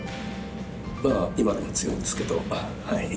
まあ今でも強いですけど。